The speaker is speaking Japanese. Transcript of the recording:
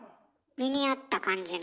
身に合った感じの。